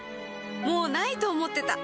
もう無いと思ってた